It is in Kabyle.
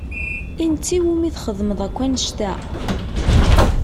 I netta i wumi txedmeḍ akk annect-a?